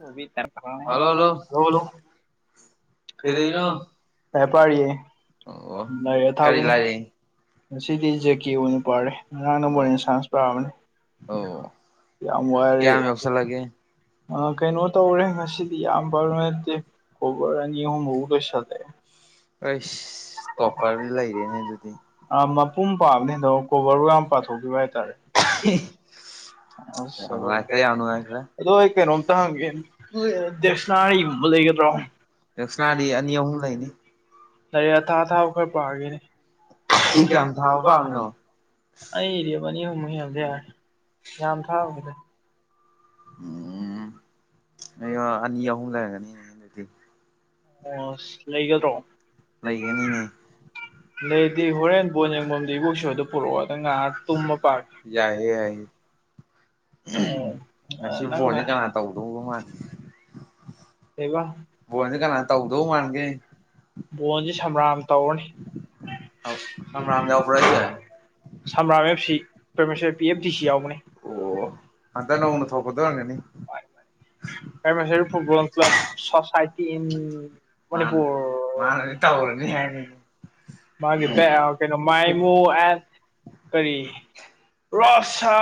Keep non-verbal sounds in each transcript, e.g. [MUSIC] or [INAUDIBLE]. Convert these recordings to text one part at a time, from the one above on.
[UNINTELLIGIBLE] ꯑꯦꯦ ꯄꯔꯤꯌꯦ ꯅ ꯊ ꯉꯁꯤꯗꯤ ꯖꯀꯤ ꯑꯣꯏꯅ ꯄꯥꯔꯦ ꯉꯔꯥꯡ ꯅ ꯃꯣꯔꯦꯟ ꯁꯥꯟꯁ ꯄꯥꯕꯅꯤ ꯌꯥꯝ ꯀꯩꯅꯣ ꯇꯧꯔꯦ ꯉꯁꯤꯗꯤ ꯌꯥꯝ ꯔ ꯅꯠꯇꯦ ꯀꯣꯕꯔ ꯑꯅꯤ ꯑꯍꯨꯝꯐꯥꯎ ꯂꯣꯏꯁꯜꯂꯛꯑꯦ ꯑ ꯇꯣꯄꯔꯗꯤ ꯂꯩꯔꯦꯅꯦ ꯑꯗꯨꯗꯤ ꯑ ꯃꯄꯨꯝ ꯄꯥꯕꯅꯦꯗꯣ ꯀꯣꯕꯔꯒ ꯌꯥꯝ ꯄꯥꯊꯣꯛꯄꯤꯕ ꯍꯥꯏꯇꯥꯔꯦ ꯑꯗꯨꯗꯣ ꯀꯩꯅꯣ ꯗꯦꯛꯁꯅꯥꯔꯤꯒꯨꯝꯕ ꯂꯩꯒꯗ꯭ꯔꯣ ꯂꯩꯔꯦ ꯑꯊꯥ ꯑ ꯊꯥ ꯈꯔ ꯄꯥꯒꯦꯅꯦ ꯀ ꯑꯩ ꯑꯦꯔꯤꯔꯤꯕ ꯄꯅꯤ ꯍ ꯑꯗꯨ ꯌꯥꯔ ꯌꯥꯝ ꯊꯥꯎꯕꯕꯗ ꯎꯝ ꯑꯩ ꯑꯅꯤ ꯑꯍꯨꯝ ꯂꯩꯔꯒꯅꯤꯅꯦ ꯑꯗꯨꯛꯇꯤ ꯑꯣ ꯂꯩꯒꯗ꯭ꯔꯣ ꯂꯩꯗꯤ ꯍꯣꯔꯦꯟ ꯕꯣꯟ ꯌꯦꯡꯐꯝꯗꯤ ꯏꯕꯣꯛ ꯁꯣꯗ ꯄꯨꯔꯛꯑꯣ ꯑꯗ ꯉꯥꯏꯍꯥꯛ ꯇꯨꯝꯃ ꯄ ꯎ ꯂ ꯕꯣꯟꯁ ꯁꯝ꯭ꯔꯥꯝ ꯇꯧꯔꯅꯤ ꯀꯖ ꯄꯨꯔꯦꯁꯦ ꯑꯣ ꯑꯗꯅꯧꯅ ꯊꯣꯄꯗꯒꯅꯤ ꯌꯥ ꯃ ꯐꯨꯕ꯭ꯔꯂ ꯁꯁꯥꯏ ꯝ ꯃꯅꯤꯄꯨꯔ ꯃꯥꯒꯤ ꯀꯩꯅꯣ ꯃꯥꯏꯃꯣ ꯑꯦꯠ ꯀꯔꯤ ꯔꯁ꯭ꯔ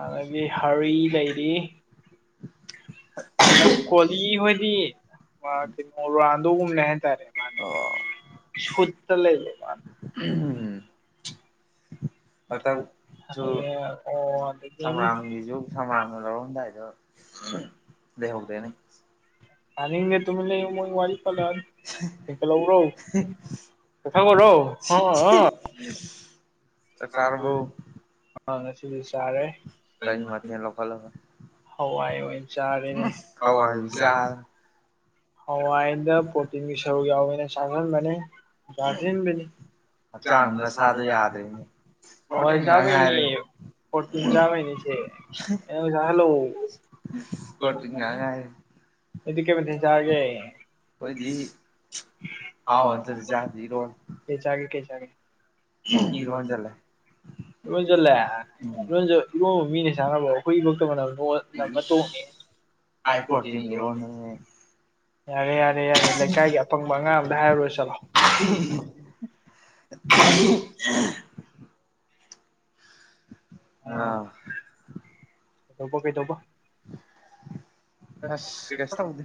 ꯑꯗꯒꯤ ꯍꯔꯤ ꯂꯩꯔꯤ ꯑꯗꯨ ꯀꯂꯤ ꯍꯗꯤ ꯃꯥ ꯑꯗꯒꯨꯝ ꯅꯍ ꯇꯔꯦ ꯃꯥꯅꯤ ꯁꯇ ꯂꯩ ꯂꯩꯃ ꯑꯣ ꯁꯝꯔꯥꯝꯒꯤꯁꯨ ꯁꯝꯔꯥꯝꯅ ꯂꯧꯔꯝꯗꯥꯏꯗꯣ ꯂꯩꯍꯧꯗ꯭ꯔꯦꯅꯦ ꯑꯅꯤꯡꯦ ꯇꯃꯤ ꯂꯩ ꯃ ꯋꯥꯔꯤ ꯋꯥꯔꯤ ꯐꯀ ꯂꯧꯧꯔꯣ [UNINTELLIGIBLE] ꯆ ꯐꯥꯔꯕꯧ ꯁꯤꯁꯨ ꯆꯥꯔꯦ ꯍꯋꯥꯏ ꯆꯔꯦꯅꯦ ꯍꯋꯥꯏꯗ ꯄ꯭ꯔꯣꯇꯤꯟꯒꯤ ꯁꯔꯨꯛ ꯌꯥꯎꯋꯦꯅ ꯆꯥꯁꯤꯟꯕꯅꯤ ꯆꯥꯁꯤꯟꯕꯅꯤ ꯆꯥꯡꯂ ꯁꯔ ꯌꯥꯗ ꯍꯋꯥ ꯆꯕ [UNINTELLIGIBLE] ꯄꯔꯣꯇꯤꯟ ꯆꯥꯕꯩꯅꯦ ꯁꯤ ꯅꯡꯕꯨ ꯆꯥꯖꯠꯂꯣ ꯄꯔꯣꯇꯤꯟ ꯉꯥꯛ ꯉꯥꯢꯔꯦ ꯑꯗꯨ ꯀꯦ ꯆꯦ [UNINTELLIGIBLE] ꯀꯩꯆꯒꯦ ꯀꯩ ꯆꯥꯒꯦ ꯏꯔꯣꯖꯜꯂꯦ ꯏꯔꯣꯟꯖꯜꯂꯦ ꯏꯔꯣꯟ ꯏꯔꯣꯟꯕ ꯃꯤꯅ ꯆꯥꯅꯕꯔꯣ ꯍꯣꯢ ꯐꯥꯎꯗ ꯃꯅꯝ ꯅꯝꯃꯥ ꯇꯣꯛꯅꯤ ꯍꯥꯏꯕ ꯄꯔꯣꯇꯤꯟ ꯢꯔꯣꯟꯕꯅꯤ ꯍꯦ ꯌꯥꯔꯦ ꯌꯥꯔꯦ ꯌꯥꯔꯦ ꯂꯩꯀꯥꯏꯒꯤ ꯑꯄꯪꯕ ꯑꯉꯥꯡ ꯑꯃꯗ ꯍꯥꯏꯔꯨꯔꯣꯏ ꯆꯠꯂꯣꯑꯣ [INAUDIBLE] ꯑꯥ ꯀꯩꯇꯧꯕꯥ ꯀꯩ ꯇꯧꯕꯥ ꯍꯁꯀꯤ ꯐ [INAUDIBLE] [UNINTELLIGIBLE]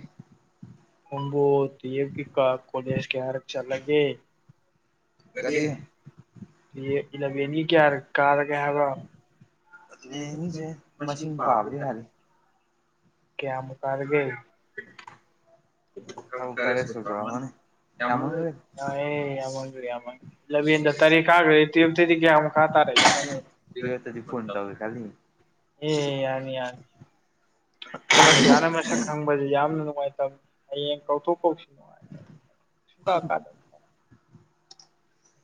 ꯍꯨꯝꯕꯨꯣ ꯗꯕꯒꯤ ꯀꯥꯛ ꯀꯗꯦꯁ ꯀꯌꯥ ꯔꯛꯆꯆꯥ ꯂꯒꯦ ꯀꯔꯤ ꯏꯂꯥꯕꯦꯟꯒꯤ ꯀꯌꯥꯔꯛ ꯀꯥꯔꯒꯦ ꯍꯥꯢꯕ ꯑꯗꯨꯅꯦꯅꯤꯁꯦ ꯃꯁꯤꯡ ꯄꯥꯕ ꯌꯥꯔꯤ ꯀꯌꯥ ꯃꯨꯛ ꯀꯥꯔꯒꯦ ꯎꯝ ꯦ [INAUDIBLE] [UNINTELLIGIBLE] ꯂ ꯇꯔ ꯀꯥꯒ ꯇ ꯊꯗꯤ ꯀꯌꯥꯨ ꯈꯥꯇꯥꯔꯦ [UNINTELLIGIBLE] ꯇꯨꯋꯦꯞ ꯇꯗꯤ ꯐꯨꯜ ꯇꯧꯒꯦ ꯈꯜꯂꯤꯅꯤ ꯑꯦ ꯌꯥꯔꯅꯤ ꯌꯥꯔꯅꯤ ꯑꯩ ꯑꯣꯖꯥꯅ ꯃꯁꯛ ꯈꯪꯕꯁ ꯌꯥꯝꯅ ꯅꯨꯡꯉꯥꯏꯇꯕꯃꯤ ꯍꯌꯦꯡ ꯀꯧꯊꯣꯛ ꯀꯧꯁꯤꯟ ꯅꯨꯡꯉꯥꯏꯇꯕꯃꯤ ꯁ ꯀꯥꯗ [UNINTELLIGIBLE]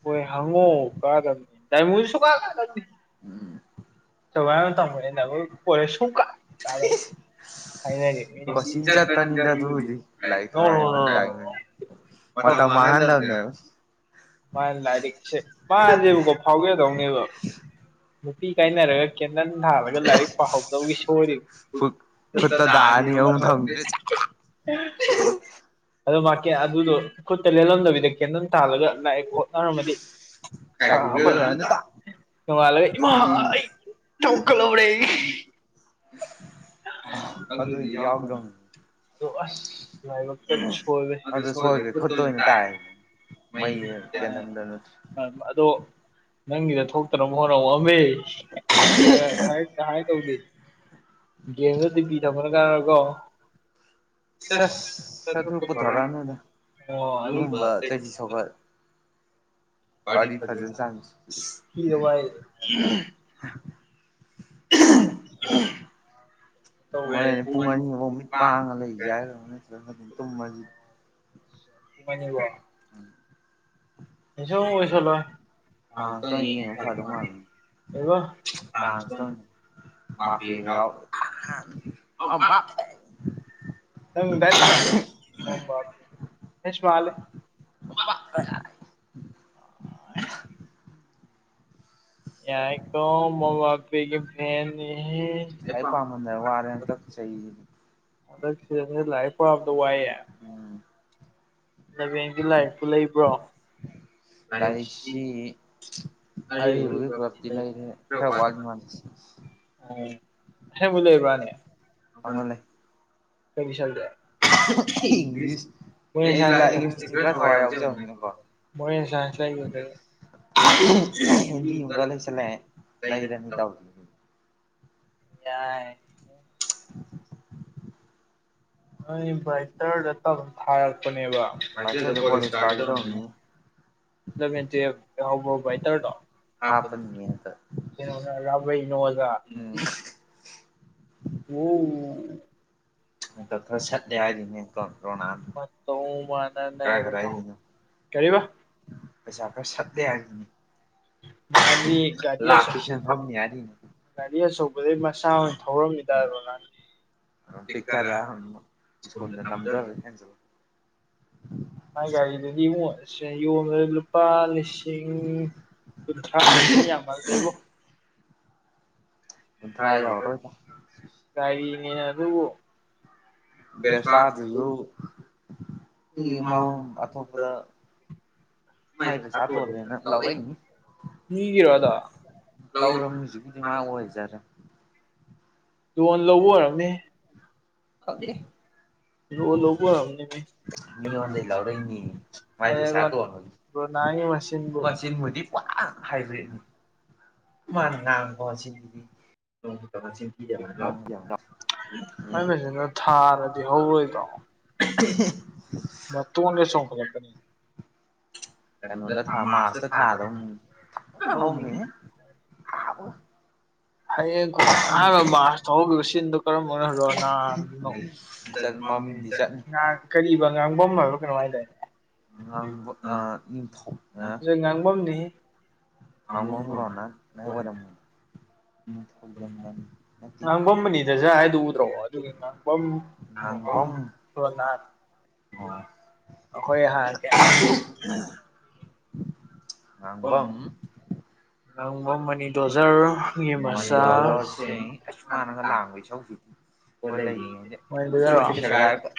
ꯍꯣꯏ ꯍꯪꯉꯣ ꯀꯥꯗꯕꯅꯤ ꯇꯥꯢꯡꯉꯣꯁꯨ ꯀꯥꯗꯕꯅꯤ ꯁꯒ ꯇ ꯅꯕ ꯀꯔꯦ ꯁꯨ ꯀꯥꯏ ꯆ [UNINTELLIGIBLE] ꯍꯥꯏ [UNINTELLIGIBLE] ꯃꯇꯝꯗ ꯃꯥꯡꯍꯟꯗꯕꯅꯤ ꯃꯥ ꯂꯥꯢꯔꯤꯛꯁ ꯃꯥꯖꯦꯕ ꯀꯣ ꯐꯥꯎꯖ ꯗꯧꯅꯦꯕ ꯅꯨꯄꯤ ꯀꯥꯏꯅꯔꯒ ꯀꯦꯗꯟ ꯊꯥꯜꯂꯒ ꯂꯥꯏꯔꯤꯛ ꯄꯥꯍꯧꯗꯕꯒꯤ ꯁꯣꯢꯔꯤꯅꯤ ꯗ ꯊꯔꯦ [UNINTELLIGIBLE] [UNINTELLIGIBLE] ꯑꯗꯨ ꯃꯥ ꯑꯗꯨꯗꯣ ꯈꯨꯠꯇ ꯂꯦꯜꯂꯝꯗꯕꯤꯗ ꯀꯦꯟꯗꯟ ꯊꯥꯜꯂꯒ ꯂꯥꯢꯔꯤꯛ ꯍꯣꯠꯅꯔꯝꯃꯗꯤ [INAUDIBLE] ꯅꯧꯀ ꯂꯧꯕ [UNINTELLIGIBLE] ꯑꯗꯨꯏꯗꯤ ꯌꯥꯎꯗꯕꯅꯤ ꯑꯗꯨ ꯁꯣꯏꯒꯔꯦ ꯈꯨꯠꯇ ꯑꯣꯏꯅ ꯇꯥꯏ ꯃꯥꯏ ꯇ ꯅꯗꯅ [UNINTELLIGIBLE] [INAUDIBLE] ꯎ [UNINTELLIGIBLE] ꯒꯦꯝꯗ ꯗꯤꯄꯤ ꯊꯝꯕꯅ ꯀꯥꯟꯅꯔꯣꯢꯀꯣ ꯆꯁ ꯆꯠ ꯑꯗꯨ ꯄꯨꯊꯣꯔꯣꯔꯛꯑꯅꯤꯗ ꯑꯗꯨꯨꯝꯕ ꯆꯩꯊ ꯁꯧꯈꯠ [UNINTELLIGIBLE] ꯋꯥꯔꯤ ꯐꯖꯅ ꯁꯥꯟꯅꯥꯁ [INAUDIBLE] [INAUDIBLE] ꯃꯣꯏ ꯄꯨꯡ ꯑꯅꯤꯐꯥꯎ ꯃꯤꯠ ꯄꯥꯡꯉ ꯂꯩꯒꯦ ꯍꯥꯏ ꯑꯗꯨꯝ ꯇꯨꯝꯃꯗꯤ [UNINTELLIGIBLE] ꯅꯤ ꯋꯥ [UNINTELLIGIBLE] ꯅꯤꯡꯁ ꯑꯣꯏꯣꯏꯁꯂꯣ [UNINTELLIGIBLE] ꯑ ꯀ ꯐꯔꯅꯤ ꯃꯥ ꯑ ꯅ ꯃꯥ [INAUDIBLE] [INAUDIBLE] ꯌꯥꯏꯀꯣ ꯃꯃꯄꯒꯤ ꯐꯦꯟ ꯑꯩ ꯄꯥꯃꯗ ꯋꯥꯔꯦ ꯇ ꯆꯍꯤ ꯍꯟꯗꯛ ꯁꯤꯗꯁꯦ ꯂꯥꯏꯛ ꯄꯕꯗ ꯋꯥꯏꯑꯦ ꯂꯝꯕꯦꯟꯒꯤ ꯂꯥꯏꯔꯤꯛꯄꯨ ꯂꯩꯕ꯭ꯔꯣ ꯂꯥꯏꯔꯤꯛꯁꯤ ꯑ ꯑꯣꯏ ꯄ꯭ꯔ꯭ꯔ ꯍꯕꯨ ꯂꯩꯕ꯭ꯔꯅꯦ ꯀꯔꯤ ꯆꯗꯦ ꯏꯪꯁ ꯀꯁ ꯏꯪꯂꯤꯁ ꯊ ꯈ ꯊꯒꯥꯏꯖꯦ ꯍ ꯃꯣꯏ ꯁꯥꯁ ꯂꯩꯒ ꯀ ꯌꯥꯏ ꯑ ꯐꯥꯏ ꯗ ꯊꯔꯛꯄꯅꯦꯕ ꯍꯥꯏꯗ ꯄꯣꯔꯤꯁ ꯒꯥꯔꯒꯤ ꯇꯧꯅꯤ ꯃꯦ ꯍꯥꯎ ꯍꯥꯎ ꯦꯇꯔ ꯇꯣ ꯅ ꯍꯖ ꯑꯣ ꯑ ꯇ ꯈꯔ ꯁꯠꯂꯦ ꯍꯥꯏꯔꯤꯅꯦ ꯀ꯭ꯔꯣꯅꯥ ꯀꯔꯤꯕ ꯑ ꯀꯗ ꯒꯥꯔꯤ ꯑꯆꯧꯕꯗꯒꯤ ꯃꯁꯥ ꯑꯣꯏꯅ ꯊꯧꯔꯝꯃꯤꯗ ꯔꯣꯅꯥꯜ ꯄꯤꯛꯔꯁꯀꯟ ꯅꯖꯔ꯭ꯔꯦ ꯀꯜ ꯃꯥ ꯒꯥꯔꯤꯗꯨꯗꯤ ꯑꯃꯨꯛ ꯌꯣꯟ ꯂꯨꯄꯥ ꯂꯤꯁꯤꯡ ꯊ ꯀꯕꯨꯣ ꯉꯣ ꯀꯔꯤ ꯏ ꯑꯗꯨꯕꯣ [UNINTELLIGIBLE] ꯁꯥ ꯑꯗꯨ ꯃꯥ ꯃꯥꯏ ꯄ ꯁꯥꯇꯣꯂꯦꯅ ꯂꯕꯦꯅꯤ ꯔ ꯃꯨꯖꯤ ꯃꯥ ꯆꯔꯦ ꯂꯣꯟ ꯂꯧꯕ ꯑꯣꯏꯔꯝꯅꯦ ꯍꯧꯗꯤꯦ ꯂ ꯂꯣ ꯑꯅꯤ ꯃꯁ ꯍꯧꯗꯤ ꯍꯥꯏꯕ꯭ꯔꯤꯠꯅꯤ ꯃꯥꯅ ꯉꯥꯡꯕꯣ ꯁꯤꯁꯤꯗꯤ ꯍꯕꯁꯤꯅ ꯊꯥꯔꯗꯤ ꯍꯧꯔꯣꯏꯕꯣ ꯃꯠꯇꯅ ꯁꯣꯡꯈꯂꯄꯅꯤ ꯀꯩꯅꯣꯗ ꯊꯥ ꯃꯥꯔꯁꯇ ꯊꯥꯗꯧ ꯍꯅꯤꯦ ꯑꯕ ꯍꯌꯦꯡ ꯑꯍꯥꯟꯕ ꯃꯥꯁ ꯇꯧꯍꯧꯈꯤꯕ ꯁꯤꯟꯗꯣ ꯀꯔꯝꯕꯅꯜꯔꯣꯅꯣ ꯀꯔꯤꯕ ꯉꯥꯡꯐꯝ ꯍꯥꯏꯕ ꯀꯩꯅꯃꯥꯏꯅ ꯇꯧꯅꯦ ꯉꯥꯡꯕꯝꯗꯤ ꯑꯃ ꯊꯣꯛ ꯃꯅꯤ ꯑꯣꯂ ꯑꯩꯈꯣꯏ ꯍꯥꯏ ꯀꯦ ꯉꯪꯝꯕꯝ ꯍꯪ ꯃꯃꯅꯤ ꯗꯣꯖꯥꯔ ꯃꯤ ꯃꯆꯥ [UNINTELLIGIBLE]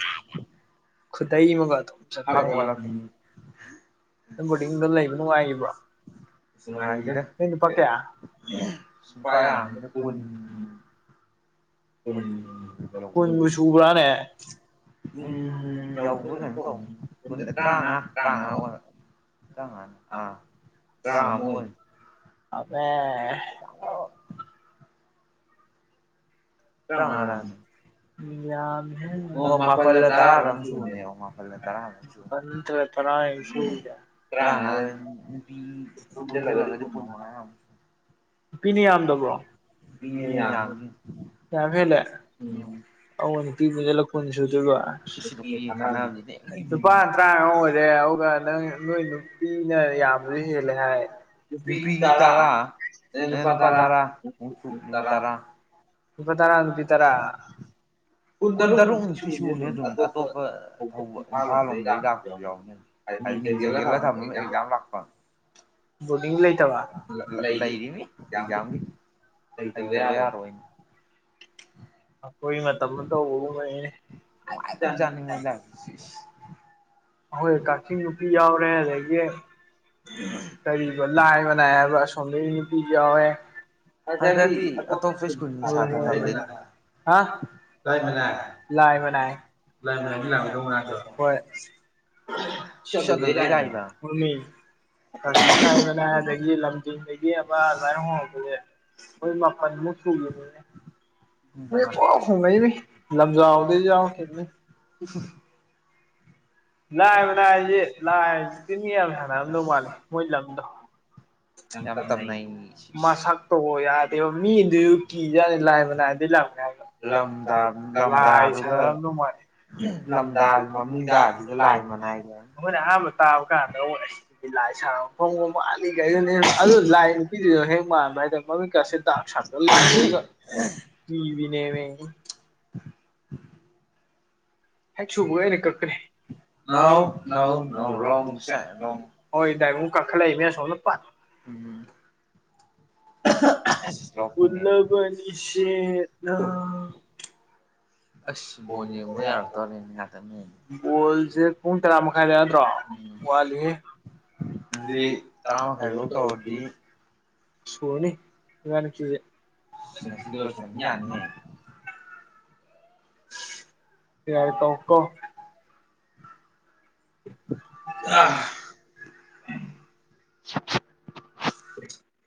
ꯈꯨꯗꯩ ꯑꯃꯒ ꯑꯗꯨꯝ ꯅ ꯕꯣꯔꯗꯤꯡꯗ ꯂꯩꯕ ꯅꯨꯡꯉꯥꯏꯔꯤꯕ‌ꯣ ꯅꯣꯏ ꯅꯨꯄꯥ ꯀꯌꯥ ꯅꯨꯄꯥ ꯌꯥꯝꯗ‌ꯦꯗ ꯀꯨꯟ ꯀꯟꯕꯨ ꯁꯨꯕ꯭ꯔꯥꯅꯦ ꯎꯝ ꯇꯔꯥꯅ ꯇꯥꯅ ꯑ ꯃ ꯑꯦ ꯀꯃꯂ ꯇꯔꯥ ꯇꯔꯥ ꯀꯔꯥꯅꯂꯗꯤ ꯀꯨꯃ ꯅꯨꯄꯤꯅ ꯌꯥꯝꯗꯕ꯭ꯔꯣ ꯅꯨꯄꯤꯅꯦ ꯌꯥꯕꯅꯤ ꯌꯥꯃꯦꯂ ꯑ ꯅꯨꯄꯤꯕꯨꯗ ꯂ ꯀꯨꯟ ꯁꯨꯗꯣꯏꯕ ꯂꯨꯄꯥ ꯇꯔꯥꯃꯉꯥ ꯑꯣꯏꯔꯦ ꯑꯗꯨꯒ ꯅꯪ ꯅꯣꯏ ꯅꯨꯄꯤꯅ ꯌꯥꯝꯕꯁꯨ ꯍꯦꯜꯂꯦ ꯍꯥꯏ ꯅꯨꯄꯤ ꯇꯔꯥ ꯅꯨꯄꯥ ꯇꯔꯥ ꯇꯔꯥ ꯏꯄꯥ ꯇꯔ ꯅꯨ ꯄ ꯇꯔꯥ ꯀꯨꯟ ꯇꯔꯨꯛꯃꯨꯛꯇꯤ ꯁꯨꯅꯦ ꯑꯗꯨꯝ ꯑꯇꯣꯞꯄ ꯊꯧꯕ ꯏꯝꯐꯥꯜ ꯂꯣꯝꯗꯒꯤꯩ ꯂꯥꯛꯄꯁꯨ ꯌꯥꯎꯅꯦ ꯑꯗꯨꯝ ꯑ ꯃꯤꯖꯪꯒꯂ ꯊꯃ ꯑꯦꯛꯖꯥꯝ ꯂꯥꯛꯄ ꯂꯩꯔꯤ ꯃꯤ ꯑꯦꯛꯖꯝꯒꯤ ꯑꯩꯗ ꯌꯥꯔ ꯑꯣꯏ ꯑꯩꯈꯣꯏ ꯃꯇꯝ ꯑꯃ ꯇꯧꯕꯒꯨꯝꯕꯅꯦ ꯑꯩꯈꯣꯏ ꯀꯛꯆꯤꯡ ꯅꯨꯄꯤ ꯌꯥꯎꯔꯦ ꯑꯗꯒꯤ ꯀꯔꯤꯕꯣ ꯂꯥꯏ ꯃꯅꯥꯏ ꯍꯥꯏꯕ ꯑꯁꯣꯝꯗꯒꯤ ꯅꯨꯄꯤꯁꯨ ꯌꯥꯎꯋꯦ ꯑꯗꯤ ꯑ ꯑ ꯂꯅꯥ ꯂꯥꯏ ꯃꯅꯥꯑ ꯂꯥꯛ ꯍꯥꯏꯗꯤ ꯂꯥꯛꯗꯧ ꯃꯥꯗ ꯍꯣꯏ ꯁꯗꯒ ꯔꯅ ꯀꯕꯅ ꯑꯗꯒꯤ ꯂꯝꯖꯤꯡꯗꯒꯤ ꯑꯕ ꯂꯥꯏꯔ ꯍꯣꯡꯕꯁꯦ ꯍꯣꯏ ꯃꯥꯄꯄꯥ ꯃꯨ ꯁꯨꯒ ꯐꯣꯡꯉꯩ ꯂꯝꯖꯥꯗ ꯌꯥ ꯊꯅꯤ ꯂꯥꯏꯕ ꯂꯏꯁ ꯂꯥꯏ ꯍꯥꯏꯁꯤ ꯆꯤꯟꯅꯤ ꯌꯥꯝ ꯁꯥꯟꯅꯝꯗꯧ ꯃꯥꯜꯂꯤꯦ ꯃꯣꯏ ꯂꯝꯗꯣ ꯌꯥꯝ ꯇꯅꯩ ꯃꯁꯛꯇ ꯌꯥꯗꯦꯕ ꯃꯤꯗꯨꯁꯨ ꯀꯤꯖꯅꯤ ꯂꯥꯏꯕ ꯂ ꯝꯗꯥ ꯊ ꯍꯥꯏꯁ ꯔꯅꯨꯡ ꯃꯥꯅꯤ ꯅꯝꯗꯥꯜ ꯃꯝꯗꯥ ꯂꯑ ꯃꯅꯦ ꯑꯩꯈꯣꯏꯅ ꯑꯍꯥꯟꯕ ꯇꯥꯕ ꯀꯥꯟꯗꯗꯤ ꯂꯥꯏ ꯁꯔ ꯐꯪ ꯋꯥꯅꯤꯈꯩꯗꯅꯦ ꯑꯗꯨ ꯂꯥꯏ ꯅꯨꯄꯤ ꯍꯦ ꯃꯥꯥꯟ ꯍꯥꯏꯗ ꯃꯥꯃꯤ ꯀꯁꯦ ꯗꯥꯛ ꯁꯇ ꯂꯕꯤꯅꯦ ꯍꯦꯛ ꯁꯨꯕ ꯑꯩꯅ ꯀꯛꯀꯅꯤ [UNINTELLIGIBLE] ꯍꯣꯏ ꯗꯥꯏꯕꯨꯡ ꯀꯥꯈꯠꯂꯛꯏꯅꯦ ꯁꯣꯝꯅ ꯄ ꯎꯝ ꯄꯨꯜꯂꯕꯅꯤꯁꯦꯅꯥ ꯑꯁ ꯕꯣꯟ ꯌꯦꯡꯕ ꯌꯥꯔꯛꯇꯧꯅꯦꯅꯦ ꯉꯥꯏꯥꯛꯇꯪꯅꯦ ꯕꯣꯜꯁꯦ ꯄꯨꯡ ꯇꯔꯥ ꯃꯈꯥꯏ ꯂꯩ ꯌꯥꯗ꯭ꯔꯣ ꯋꯥꯠꯂꯤꯌꯦ ꯗꯤ ꯇ ꯍꯥꯏꯕ ꯁꯅꯤꯅꯤ ꯁꯤꯏ ꯇ ꯑꯣꯀꯣ ꯑ [UNINTELLIGIBLE]